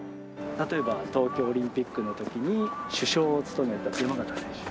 例えば東京オリンピックの時に主将を務めた山縣選手。